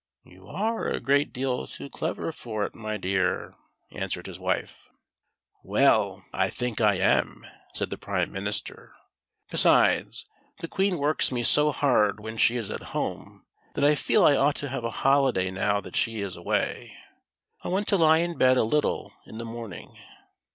"You are a great deal too clever for it, my dear," answered his wife, " Well, I think I am," said the prime minister ; "besides, the Queen works me so hard when she is at home, that I feel I ought to have a holiday now that she is away. I want to lie in bed a little in the morning."